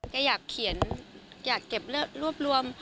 แกอยากเขียนอยากเก็บรวบรวม